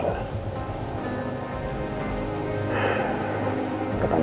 ketanyaan aja kali ya